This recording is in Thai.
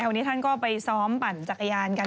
วันนี้ท่านก็ไปซ้อมปั่นจักรยานกัน